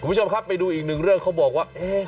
คุณผู้ชมครับไปดูอีกหนึ่งเรื่องเขาบอกว่า